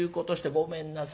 ごめんなさい。